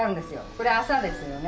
これ麻ですよね。